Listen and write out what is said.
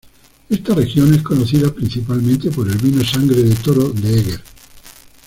Esta región es conocida principalmente por el vino Sangre de toro de Eger.